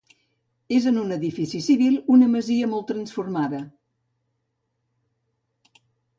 És un edifici civil, una masia molt transformada.